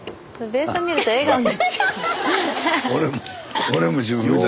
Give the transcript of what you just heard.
べぇさん見ると笑顔になっちゃう。